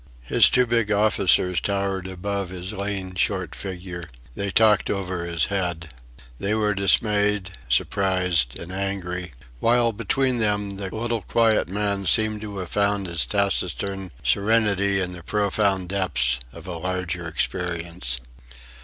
His two big officers towered above his lean, short figure; they talked over his head; they were dismayed, surprised, and angry, while between them the little quiet man seemed to have found his taciturn serenity in the profound depths of a larger experience.